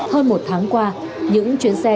hơn một tháng qua những chuyến xe